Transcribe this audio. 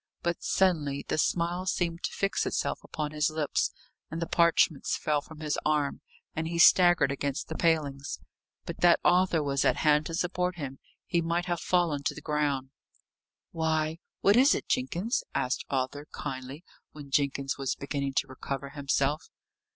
But suddenly the smile seemed to fix itself upon his lips; and the parchments fell from his arm, and he staggered against the palings. But that Arthur was at hand to support him, he might have fallen to the ground. "Why, what is it, Jenkins?" asked Arthur, kindly, when Jenkins was beginning to recover himself.